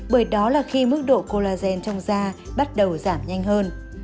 bởi đó là khi mức độ colagen trong da bắt đầu giảm nhanh hơn